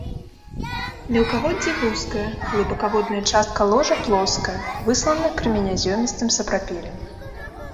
Мелкаводдзе вузкае, глыбакаводная частка ложа плоская, выслана крэменязёмістым сапрапелем.